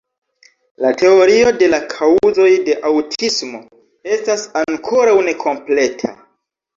La teorio de la kaŭzoj de aŭtismo estas ankoraŭ nekompleta.